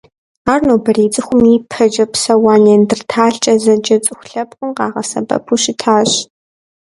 Ар нобэрей цӏыхум ипэкӏэ псэуа Неандрталкӏэ зэджэ цӏыху лъэпкъым къагъэсэбэпу щытащ.